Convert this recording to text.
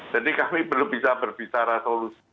jadi kami belum bisa berbicara solusi